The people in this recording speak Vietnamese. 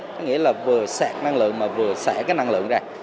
nó nghĩa là vừa sạc năng lượng mà vừa sả cái năng lượng ra